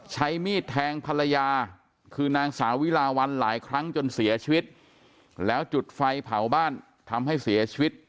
ใช้มีดแทงภรรยาคือนางสาวิลาวันหลายครั้งจนเสียชีวิตแล้วจุดไฟเผาบ้านทำให้เสียชีวิต